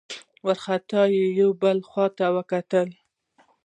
وارخطا يې يوې بلې خواته وکتل.